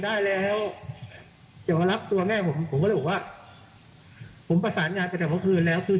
นี่นะคะก็คุณแม่ได้รับการรักษาตัวเรียบร้อยก็รออยู่นะคะว่า